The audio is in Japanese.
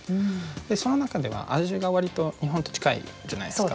でその中ではアジアが割と日本と近いじゃないですか。